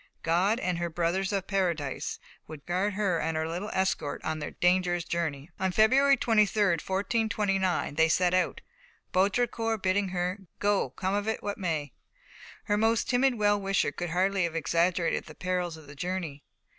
God and "her brothers of Paradise" would guard her and her little escort on their dangerous journey. On February 23, 1429, they set out, Baudricourt bidding her "Go, come of it what may." Her most timid well wisher could hardly have exaggerated the perils of the journey.